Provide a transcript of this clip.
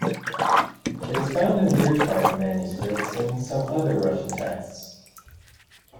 It is found in birch bark manuscripts and in some other Russian texts.